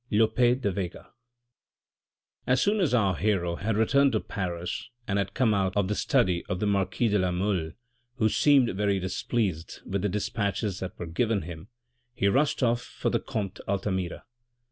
— Lope de Vega. As soon as our hero had returned to Paris and had come out of the study of the marquis de La Mole, who seemed very dis pleased with the despatches that were given him, he rushed off for the comte Altamira.